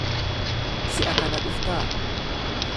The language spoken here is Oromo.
Si'a kana dhuftaa?